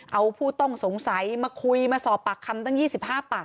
เอาผู้ต้องสงสัยมาคุยมาสอบปากคำตั้ง๒๕ปาก